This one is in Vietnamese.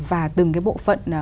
và từng cái bộ phận